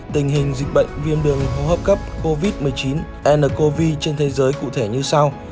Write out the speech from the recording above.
tình hình dịch bệnh viêm đường hô hấp cấp covid một mươi chín trên thế giới cụ thể như sau